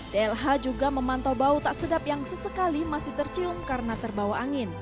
dlh juga memantau bau tak sedap yang sesekali masih tercium karena terbawa angin